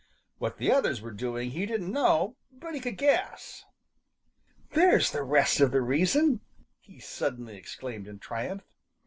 What the others were doing he didn't know, but he could guess. "There's the rest of the reason!" he suddenly exclaimed in triumph.